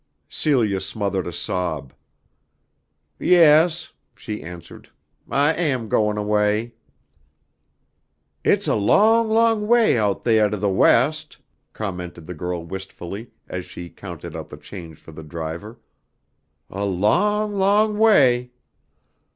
Celia smothered a sob. "Yes," she answered, "I am goin' away." "It's a long, long way out theah to the West," commented the girl wistfully as she counted out the change for the driver, "a long, long way!"